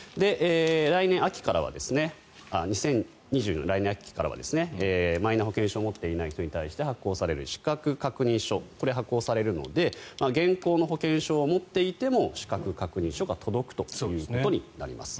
来年秋からはマイナ保険証を持っていない人に対してマイナ保険証を持っていない人に発行される資格確認書これが発行されるので現行の保険証を持っていても資格確認書が届くということになります。